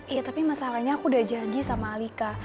iya tapi masalahnya aku udah janji sama alika